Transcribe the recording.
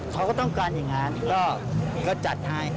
เขาก็ต้องการอย่างนั้นก็จัดให้